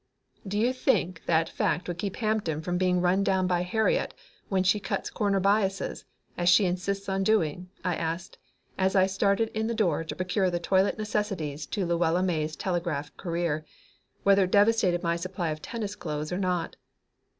"Do you think that fact would keep Hampton from being run down by Harriet when she cuts corners bias, as she insists on doing?" I asked, as I started in the door to procure the toilet necessaries to Luella May's telegraphic career, whether it devastated my supply of tennis clothes or not.